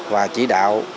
và chỉ đạo